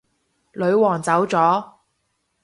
女皇走咗